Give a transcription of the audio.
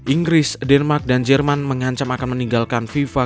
inggris denmark dan jerman mengancam akan meninggalkan fifa